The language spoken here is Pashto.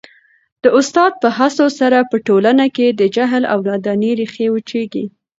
د استاد په هڅو سره په ټولنه کي د جهل او نادانۍ ریښې وچیږي.